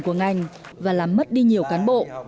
của ngành và làm mất đi nhiều cán bộ